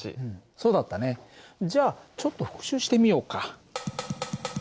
そうだったねじゃあちょっと復習してみようか。